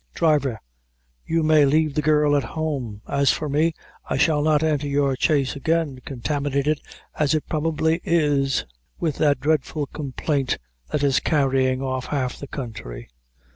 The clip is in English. Driver, you may leave the girl at home. As for me, I shall not enter your chaise again, contaminated, as it probably is, with that dreadful complaint, that is carrying off half the country.